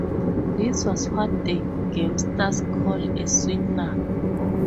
This was what the gamesters call a sweetener.